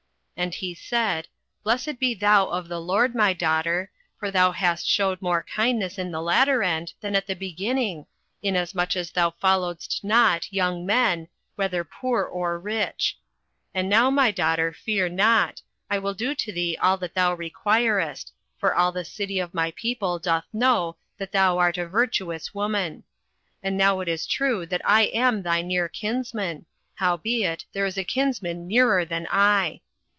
08:003:010 And he said, Blessed be thou of the LORD, my daughter: for thou hast shewed more kindness in the latter end than at the beginning, inasmuch as thou followedst not young men, whether poor or rich. 08:003:011 And now, my daughter, fear not; I will do to thee all that thou requirest: for all the city of my people doth know that thou art a virtuous woman. 08:003:012 And now it is true that I am thy near kinsman: howbeit there is a kinsman nearer than I.